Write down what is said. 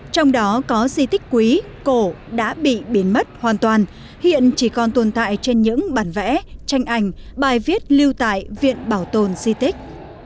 trong đó có di tích quý cổ đã bị biến mất hoàn toàn hiện chỉ còn tồn tại trên những bản vẽ tranh ảnh bài viết lưu tại viện bảo tồn di tích